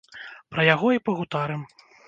Пра яго і пагутарым.